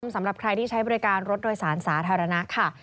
สำหรับใครที่ใช้บริการรถโดยสารสาธารณะค่ะ